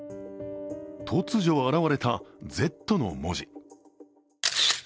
突如現れた、「Ｚ」の文字。